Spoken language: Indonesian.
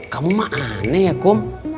kamu mah aneh ya kom